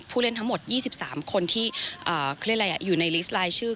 เล่นทั้งหมด๒๓คนที่อยู่ในลิสต์ลายชื่อ